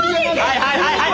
はいはいはいはい！